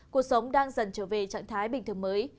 cuộc sống đang dần trở về trạng thái bình thường mới